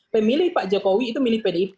pemilih pak jokowi itu milik pdip